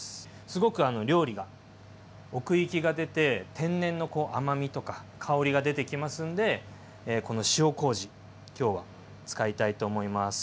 すごく料理が奥行きが出て天然の甘みとか香りが出てきますんでこの塩こうじ今日は使いたいと思います。